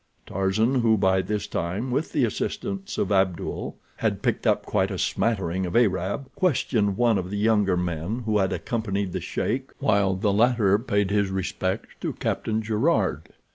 Tarzan, who, by this time, with the assistance of Abdul, had picked up quite a smattering of Arab, questioned one of the younger men who had accompanied the sheik while the latter paid his respects to Captain Gerard.